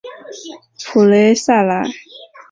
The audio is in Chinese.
普雷赛莱。